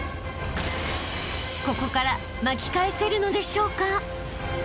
［ここから巻き返せるのでしょうか？］